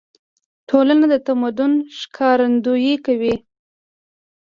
ټولنه د تمدن ښکارندويي کوي.